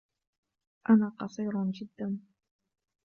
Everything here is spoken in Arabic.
أنا قصير جدّاً